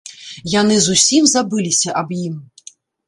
Яны зусім забыліся аб ім.